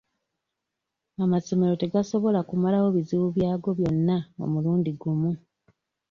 Amasomero tegasobola kumalawo bizibu byago byonna omulundi gumu.